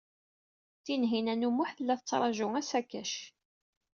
Tinhinan u Muḥ tella tettṛaju asakac.